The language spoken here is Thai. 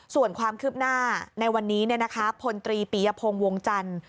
ส่วนความคืบหน้าในวันนี้พลตรีปียพงศ์วงจันทร์